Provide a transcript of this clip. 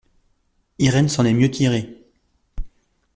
Irène s’en est mieux tirée.